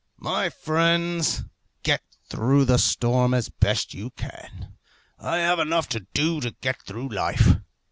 My friends, get through the storm as best you can. I have enough to do to get through life.